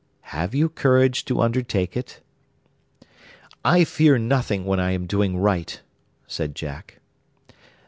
Have you courage to undertake it?' 'I fear nothing when I am doing right,' said Jack.